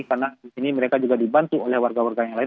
karena ini mereka juga dibantu oleh warga warga yang lain